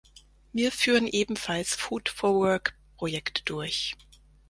Wir führen ebenfalls Food-for-Work-Projekte durch.